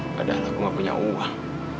padahal aku gak punya uang